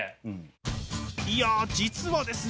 いや実はですね